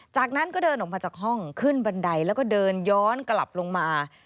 จากนั้นก็เดินออกมาจากห้องขึ้นบันไดแล้วก็เดินย้อนกลับลงมา